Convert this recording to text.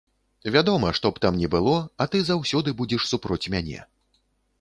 Вядома, што б там ні было, а ты заўсёды будзеш супроць мяне.